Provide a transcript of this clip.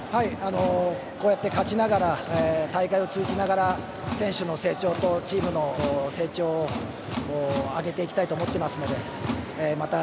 こうやって勝ちながら大会を通じながら選手の成長とチームの成長を上げていきたいと思っていますのでまた